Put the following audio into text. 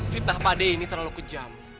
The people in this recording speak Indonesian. fitnah pak de ini terlalu kejam